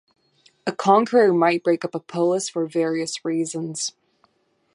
A conqueror might break up a polis for various reasons.